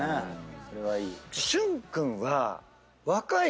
それはいい。